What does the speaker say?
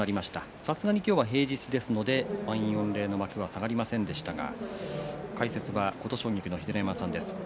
さすがに今日は平日ですので満員御礼の幕が下がりませんでしたが解説は琴奨菊の秀ノ山さんです。